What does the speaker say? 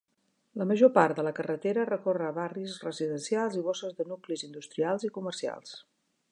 La major part de la carretera recorre barris residencials i bosses de nuclis industrials i comercials.